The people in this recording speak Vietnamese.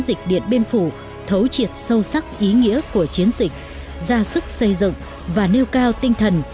dịch điện biên phủ thấu triệt sâu sắc ý nghĩa của chiến dịch ra sức xây dựng và nêu cao tinh thần